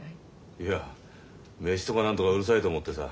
いや飯とか何とかうるさいと思ってさ。